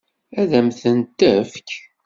Ad m-tent-tefk?